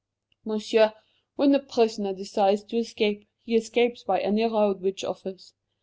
Monsieur, when a prisoner desires to escape, he escapes by any road which offers.